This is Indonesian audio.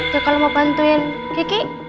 tuh kalau mau bantuin kiki